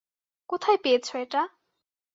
কোথায় পেয়েছো এটা?